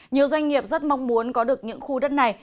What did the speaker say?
nhiều doanh nghiệp rất mong muốn có được những khu đất này